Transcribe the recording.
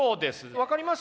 分かります？